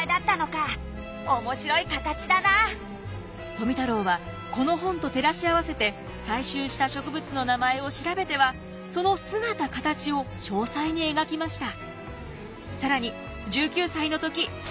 富太郎はこの本と照らし合わせて採集した植物の名前を調べてはその姿形を詳細に描きました。